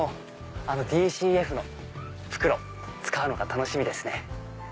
ＤＣＦの袋使うのが楽しみですね。